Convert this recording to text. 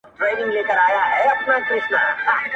o بې مېوې ونه څوک په ډبرو نه ولي٫